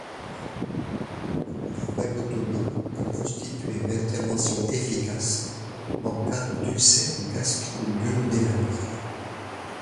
La vagotomie peut constituer une intervention efficace en cas d'ulcère gastroduodénal.